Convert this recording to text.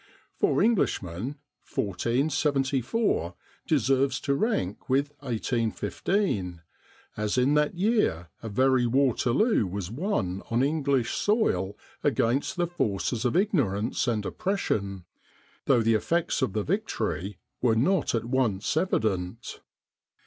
For Englishmen, 1474 deserves to rank with 1815, as in that year a very Waterloo was won on English soil against the forces of ignorance and oppression, though the effects of the victory were not at once evident.